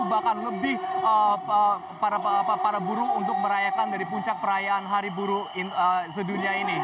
bahkan lebih para buruh untuk merayakan dari puncak perayaan hari buruh sedunia ini